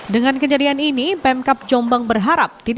dengan kejadian ini pemkap jombang berharap